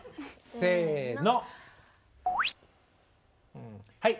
せの。